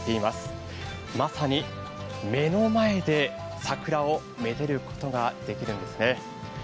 まさに目の前で桜をめでることができるんですね。